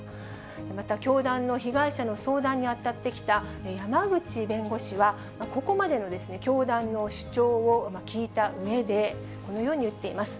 また、教団の被害者の相談に当たってきた山口弁護士は、ここまでの教団の主張を聞いたうえで、このように言っています。